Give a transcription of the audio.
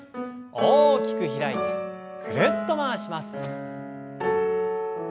大きく開いてぐるっと回します。